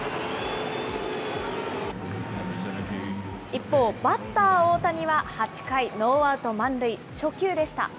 一方、バッター、大谷は８回、ノーアウト満塁、初球でした。